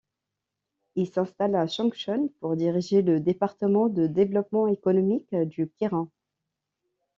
Il s'installe à Changchun pour diriger le département de développement économique du Kirin.